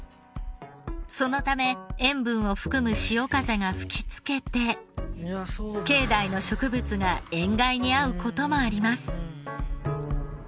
そのため塩分を含む潮風が吹きつけて境内の植物が塩害に遭う事もあります。